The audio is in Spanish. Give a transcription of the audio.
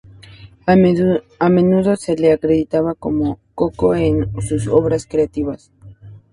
A menudo se le acredita como "Coco" en sus obras creativas.